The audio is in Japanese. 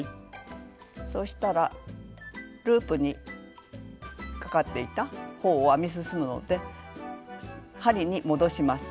そしたらループにかかっていた方を編み進むので針に戻します。